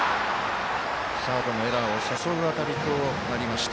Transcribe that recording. サードのエラーを誘う当たりとなりました。